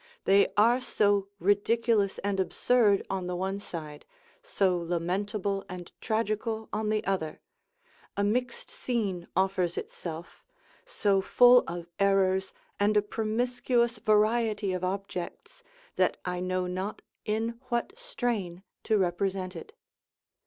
they are so ridiculous and absurd on the one side, so lamentable and tragical on the other: a mixed scene offers itself, so full of errors and a promiscuous variety of objects, that I know not in what strain to represent it.